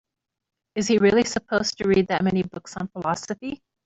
Is he really supposed to read that many books on philosophy?